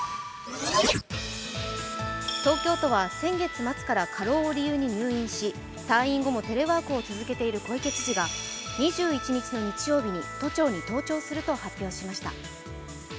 東京都は先月末から過労を理由に入院し退院後もテレワークを続けている小池都知事が２１日の日曜日に都庁に登庁すると発表しました。